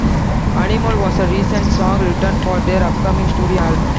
"Animal" was a recent song written for their upcoming studio album.